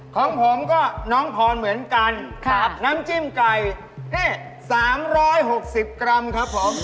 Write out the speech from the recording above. ของผมก็น้องพรเหมือนกันน้ำจิ้มไก่นี่๓๖๐กรัมครับผม